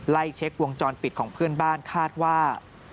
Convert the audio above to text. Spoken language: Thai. เช็ควงจรปิดของเพื่อนบ้านคาดว่า